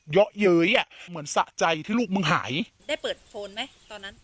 เยอะเย้ยอ่ะเหมือนสะใจที่ลูกมึงหายได้เปิดโฟนไหมตอนนั้น